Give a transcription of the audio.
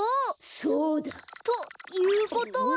そうだ！ということは！